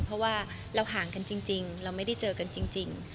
เพราะว่าเราห่างกันจริงเราไม่ได้เจอกันจริง